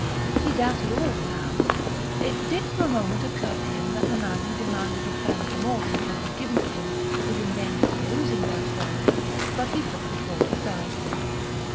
He doubted all now.... It did for a moment occur to him that the man who demands of a friend more than can be given to him is in danger of losing that friend, but he put the thought aside.